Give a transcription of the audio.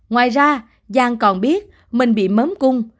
ngoài ra giang còn biết mình bị mấm cung